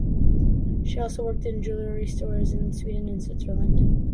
She also worked in jewellery stores in Sweden and Switzerland.